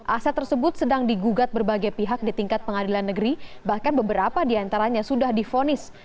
aset tersebut sedang digugat berbagai pihak di tingkat pengadilan negeri bahkan beberapa diantaranya sudah difonis